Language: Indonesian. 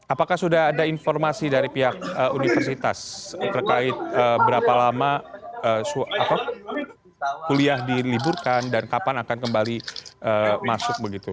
apakah sudah ada informasi dari pihak universitas terkait berapa lama kuliah diliburkan dan kapan akan kembali masuk begitu